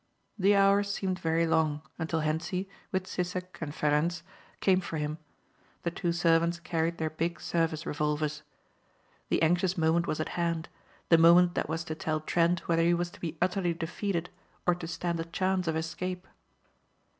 The hours seemed very long until Hentzi, with Sissek and Ferencz, came for him. The two servants carried their big service revolvers. The anxious moment was at hand, the moment that was to tell Trent whether he was to be utterly defeated or to stand a chance of escape.